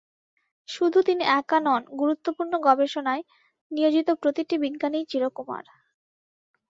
শুধু তিনি একা নন গুরুত্বপূর্ণ গবেষণায় নিয়োজিত প্রতিটি বিজ্ঞানীই চিরকুমার।